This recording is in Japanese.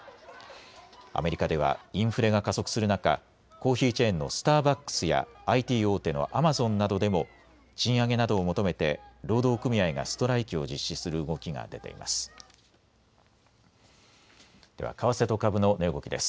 アメリカではインフレが加速する中、コーヒーチェーンのスターバックスやＩＴ大手のアマゾンなどでも賃上げなどを求めて労働組合がストライキを実施する動きが出ています。